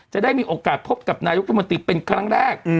จะได้มีโอกาสพบกับนายุทธมนตรีเป็นครั้งแรก